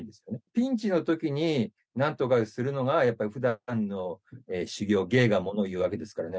ピンチのときになんとかするのが、やっぱふだんの修業、芸がものをいうわけですからね。